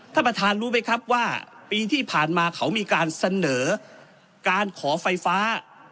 ท่านประธานรู้ไหมครับว่าปีที่ผ่านมาเขามีการเสนอการขอไฟฟ้า